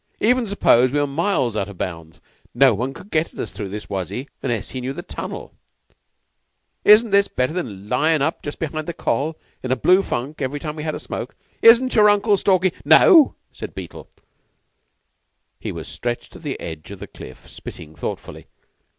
"Even suppose we were miles out of bounds, no one could get at us through this wuzzy, unless he knew the tunnel. Isn't this better than lyin' up just behind the Coll. in a blue funk every time we had a smoke? Isn't your Uncle Stalky ?" "No," said Beetle he was stretched at the edge of the cliff spitting thoughtfully.